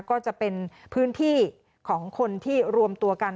ก็จะเป็นพื้นที่ของคนที่รวมตัวกัน